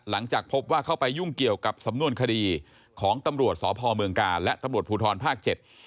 หลังจากพบว่าเข้าไปยุ่งเกี่ยวกับสำนวนคดีของตำรวจสพเมืองกาลและตำรวจภูทรภาคเจ็ด